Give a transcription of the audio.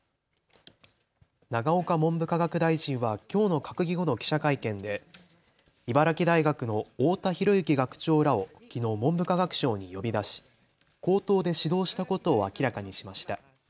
永岡文部科学大臣はきょうの閣議後の記者会見で茨城大学の太田寛行学長らをきのう文部科学省に呼び出し口頭で指導したことを明らかにしました。